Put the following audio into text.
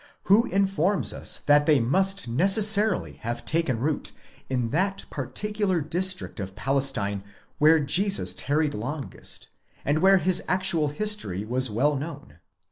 Who informs us that they must necessarily have taken root in that particular district of Palestine where Jesus tarried longest, and where his actual history was well known?